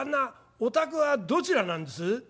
お宅はどちらなんです？」。